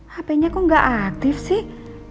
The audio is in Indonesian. hpnya kok gak aktif sih